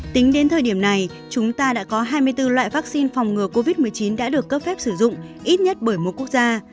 tính đến thời điểm này chúng ta đã có hai mươi bốn loại vaccine phòng ngừa covid một mươi chín đã được cấp phép sử dụng ít nhất bởi một quốc gia